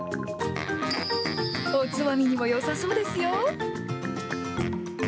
おつまみにもよさそうですよ。